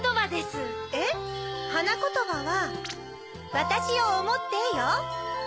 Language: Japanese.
はなことばは「わたしをおもって」よ。